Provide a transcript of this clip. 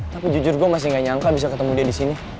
tapi jujur gue masih gak nyangka bisa ketemu dia di sini